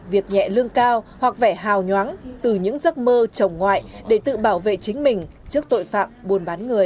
việc nhẹ lương cao hoặc vẻ hào nhoáng từ những giấc mơ chồng ngoại để tự bảo vệ chính mình trước tội phạm buôn bán người